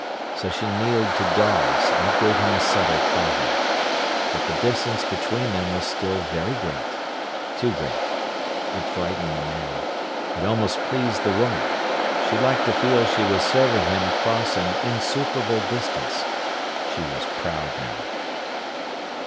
So she kneeled to Dawes, and it gave him a subtle pleasure. But the distance between them was still very great—too great. It frightened the man. It almost pleased the woman. She liked to feel she was serving him across an insuperable distance. She was proud now.